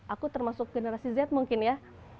aku termasuk generasi z mungkin ya